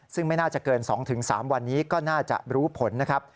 ซึ่งไม่น่าจะเกิน๒๓วันนี้ก็น่าจะรู้ผลนะครับ